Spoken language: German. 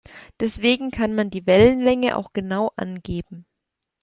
Deswegen kann man die Wellenlänge auch genau angeben.